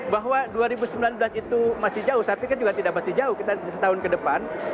bahwa dua ribu sembilan belas itu masih jauh saya pikir juga tidak masih jauh kita setahun ke depan